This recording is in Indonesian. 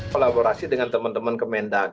kolaborasi dengan teman teman kemendak